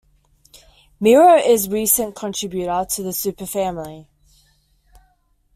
"Miro" is a recent contributor to the superfamily.